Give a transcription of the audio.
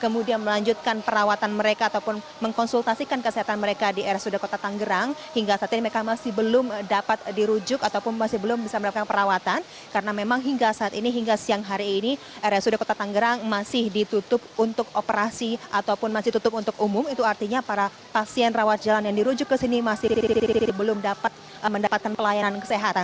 masih belum dapat mendapatkan pelayanan kesehatan